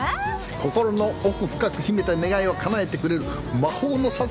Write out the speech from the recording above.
心の奥深く秘めた願いをかなえてくれる魔法の笹ですな。